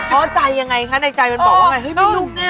เขาอ่ะใจยังไงคะในใจมันบอกว่าไงเฮ้ยเป็นลูกแน่